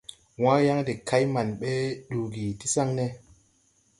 Wããyaŋ de kay man ɓɛ ɗugi ti saŋne.